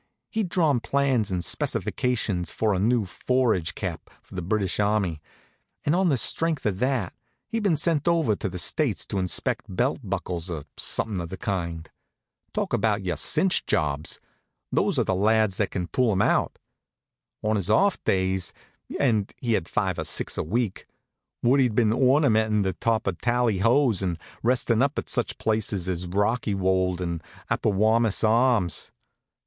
He'd drawn plans and specifications for a new forage cap for the British army, and on the strength of that he'd been sent over to the States to inspect belt buckles, or somethin' of the kind. Talk about your cinch jobs! those are the lads that can pull 'em out. On his off days and he had five or six a week Woodie'd been ornamentin' the top of tally hos, and restin' up at such places as Rockywold and Apawamis Arms.